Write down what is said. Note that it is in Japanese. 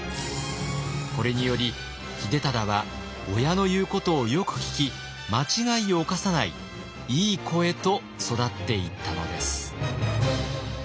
これにより秀忠は親の言うことをよく聞き間違いをおかさないいい子へと育っていったのです。